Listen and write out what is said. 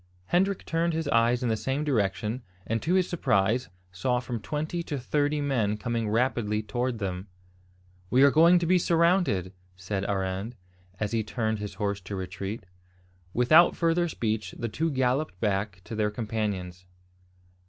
Hendrik turned his eyes in the same direction, and to his surprise saw from twenty to thirty men coming rapidly towards them. "We are going to be surrounded!" said Arend, as he turned his horse to retreat. Without further speech, the two galloped back to their companions.